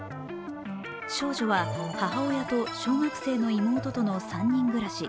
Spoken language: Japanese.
少女は母親と小学生の妹との３人暮らし。